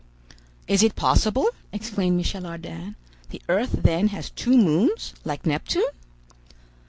"Is it possible!" exclaimed Michel Ardan; "the earth then has two moons like Neptune?"